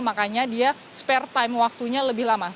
makanya dia spare time waktunya lebih lama